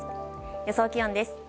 予想気温です。